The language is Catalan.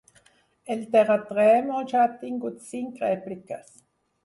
El terratrèmol ja ha tingut cinc rèpliques.